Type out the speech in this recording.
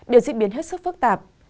đều diễn biến hết sức phức tạp